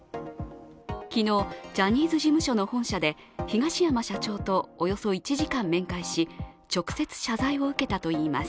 昨日、ジャニーズ事務所の本社で東山社長とおよそ１時間、面会し直接謝罪を受けたといいます。